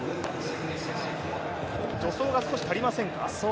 助走が少し足りませんか。